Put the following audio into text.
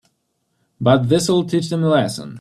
But this'll teach them a lesson.